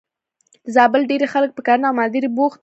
د زابل ډېری خلک په کرنه او مالدارۍ بوخت دي.